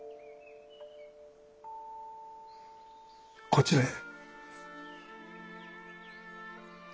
こちらへ。